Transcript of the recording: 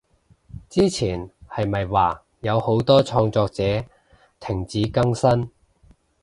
之前係咪話有好多創作者停止更新？